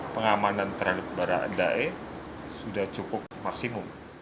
pengamanan terhadap barada e sudah cukup maksimum